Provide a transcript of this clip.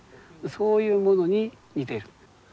そういうものに似てる。